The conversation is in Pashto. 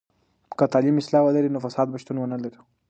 که تعلیم اصلاح ولري، نو فساد به شتون ونلري.